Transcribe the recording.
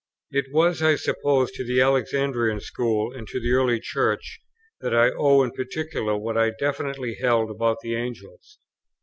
It was, I suppose, to the Alexandrian school and to the early Church, that I owe in particular what I definitely held about the Angels.